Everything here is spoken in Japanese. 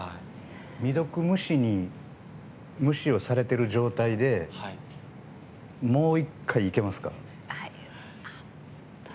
未読無視に無視をされている状態でもう１回いけますか？